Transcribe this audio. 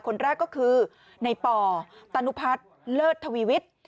คนแรกก็คือในป่อตานุพัฒน์เลิศทวีวิทย์